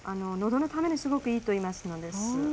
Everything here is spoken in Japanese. どのためにすごくいいといいますのです。